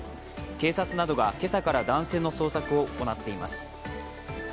警察などが今朝から男性の捜索を行っています。